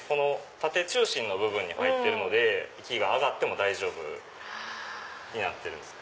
縦中心の部分に入ってるので息が上がっても大丈夫になってるんです。